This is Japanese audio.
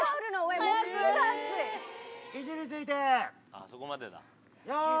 あそこまでだ。